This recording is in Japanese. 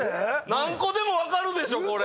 何個でも分かるでしょ